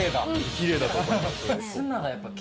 きれいだと思います。